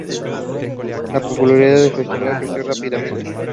La popularidad del Festival creció rápidamente.